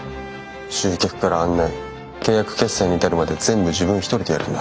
集客から案内契約決済に至るまで全部自分一人でやるんだ。